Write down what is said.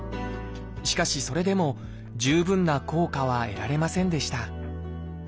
しかしそれでも十分な効果は得られませんでした